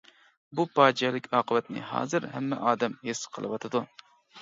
بۇ پاجىئەلىك ئاقىۋەتنى ھازىر ھەممە ئادەم ھېس قىلىۋاتىدۇ.